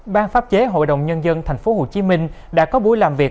ban pháp chế hội đồng nhân dân tp hcm đã có buổi làm việc